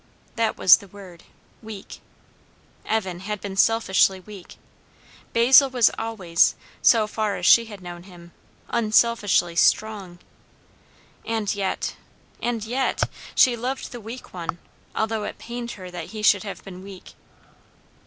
That was the word; weak. Evan had been selfishly weak. Basil was always, so far as she had known him, unselfishly strong. And yet, and yet! she loved the weak one; although it pained her that he should have been weak.